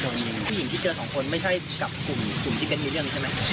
ผู้หญิงที่เจอสองคนไม่ใช่กับกลุ่มที่เป็นมีเรื่องใช่ไหม